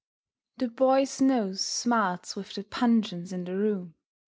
The Boy's nose smarts with the pungence in the room.